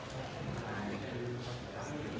ของหายรถยนต์หาย